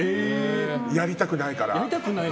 やりたくないから。